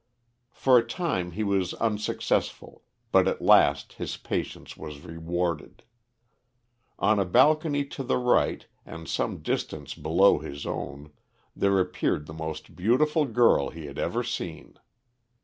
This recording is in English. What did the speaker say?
For a time he was unsuccessful, but at last his patience was rewarded. On a balcony to the right, and some distance below his own, there appeared the most beautiful girl even he had ever seen.